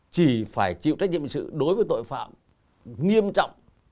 chỉ phải chịu trách nhiệm hình sự đối với tội phạm nghiêm trọng